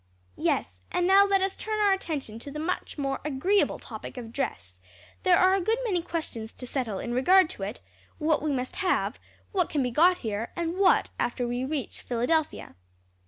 "Yes; and now let us turn our attention to the much more agreeable topic of dress; there are a good many questions to settle in regard to it; what we must have, what can be got here, and what after we reach Philadelphia."